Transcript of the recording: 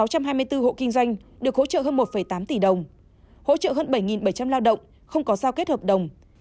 sáu trăm hai mươi bốn hộ kinh doanh được hỗ trợ hơn một tám tỷ đồng hỗ trợ hơn bảy bảy trăm linh lao động không có giao kết hợp đồng